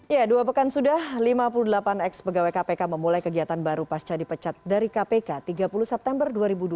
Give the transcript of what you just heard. ya dua pekan sudah lima puluh delapan ex pegawai kpk memulai kegiatan baru pasca dipecat dari kpk tiga puluh september dua ribu dua puluh